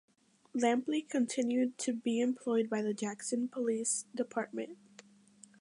Lampley continued to be employed by the Jackson Police Department.